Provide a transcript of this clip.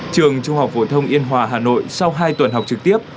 trường trung học phổ thông yên hòa hà nội sau hai tuần học trực tiếp